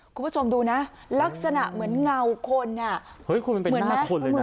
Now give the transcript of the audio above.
คุณผู้ชมดูนะลักษณะเหมือนเงาคนอ่ะเหมือนมาคนเลยนะ